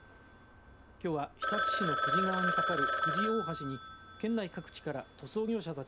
きょうは、日立市の久慈川に架かる久慈大橋に県内各地から塗装業者たち